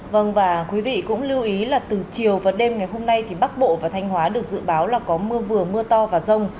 vâng và quý vị cũng lưu ý là từ chiều và đêm ngày hôm nay thì bắc bộ và thanh hóa được dự báo là có mưa vừa mưa to và rông